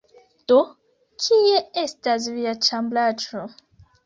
Do, kie estas via ĉambraĉo?